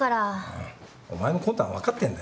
うんお前の魂胆はわかってんだよ。